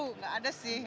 enggak ada sih